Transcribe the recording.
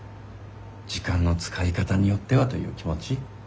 時間の使い方によってはという気持ち。